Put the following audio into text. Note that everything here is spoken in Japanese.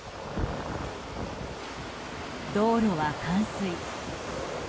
道路は冠水。